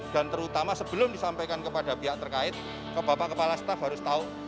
terutama sebelum disampaikan kepada pihak terkait bapak kepala staf harus tahu